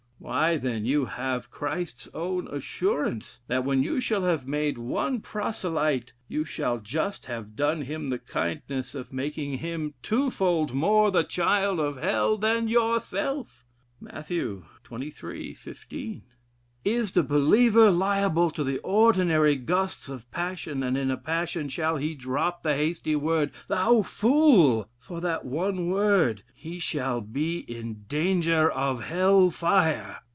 Why, then; you have Christ's own assurance, that when you shall have made one proselyte, you shall just have done him the kindness of making him twofold more the child of Hell than yourself. Mat. xxiii. 15. Is the believer liable to the ordinary gusts of passion, and in a passion shall he drop the hasty word, 'thou fool!' for that one word 'he shall be in danger of Hell fire.'